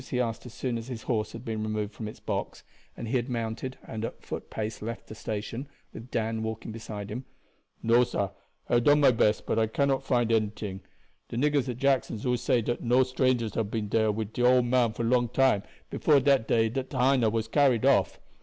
he asked as soon as his horse had been removed from its box, and he had mounted and at a foot pace left the station, with Dan walking beside him. "No, sah; I hab done my best, but I cannot find out anyting. The niggers at Jackson's all say dat no strangers hab been there wid de old man for a long time before de day dat Dinah was carried off.